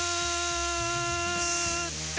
って